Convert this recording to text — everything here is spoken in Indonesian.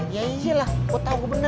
iya iyalah gue tau gue bener